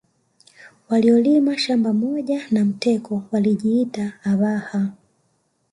Waliolima shamba moja na Mteko walijiita Abhaha